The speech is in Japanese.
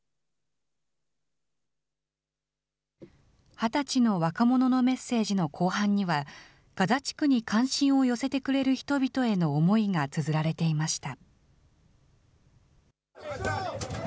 ２０歳の若者のメッセージの後半には、ガザ地区に関心を寄せてくれる人々への思いがつづられていました。